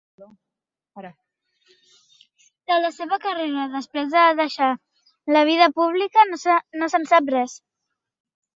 De la seva carrera després de deixar la vida pública no se'n sap res.